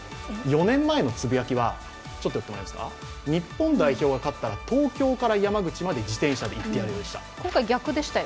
４年前のつぶやきは日本代表が勝ったら東京から山口まで自転車で行ってやるでした。